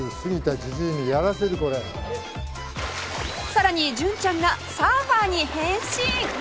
さらに純ちゃんがサーファーに変身！